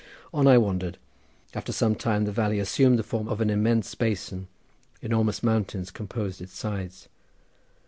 On I wandered. After some time the valley assumed the form of an immense basin, enormous mountains composed its sides.